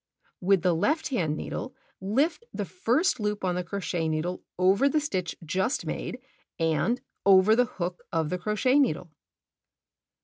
With the left hand needle lift the first loop on the crochet needle over the stitch just made and over the hook of the crochet needle.